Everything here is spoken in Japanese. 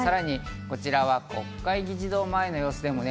こちらは国会議事堂前の様子。